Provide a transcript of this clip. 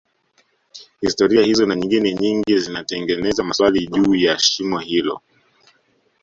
historia hizo na nyingine nyingi zinatengeza maswali juu ya shimo hilo